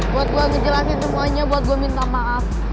buat gue ngejelasin semuanya buat gue minta maaf